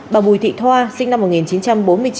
bà bùi thị thoa sinh năm một nghìn chín trăm bốn mươi chín